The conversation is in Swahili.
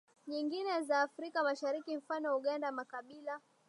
nyingine za afrika mashariki mfano uganda makabila